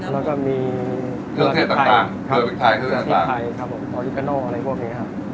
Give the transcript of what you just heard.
แล้วก็มีเครื่องเทศต่างออริกาโน่อะไรพวกนี้ค่ะ